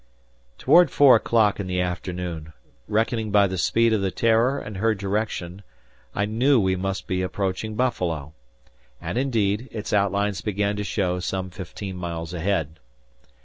Toward four o'clock in the afternoon, reckoning by the speed of the "Terror" and her direction, I knew we must be approaching Buffalo; and indeed, its outlines began to show some fifteen miles ahead.